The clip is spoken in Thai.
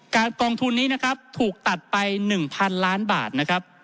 กองทุนนี้นะครับถูกตัดไป๑๐๐๐ล้านบาทนะครับ